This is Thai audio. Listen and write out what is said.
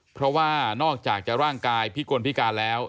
เพราะว่านอกจากจะร่างกายพิกลพิการแล้ว